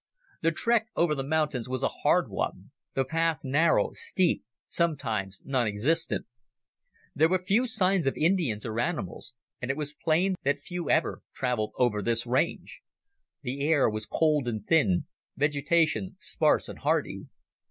The trek over the mountains was a hard one, the path narrow, steep, sometimes nonexistent. There were few signs of Indians or animals, and it was plain that few ever traveled over this range. The air was cold and thin, vegetation sparse and hardy.